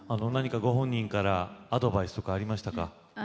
何かご本人からアドバイスとかありましたか？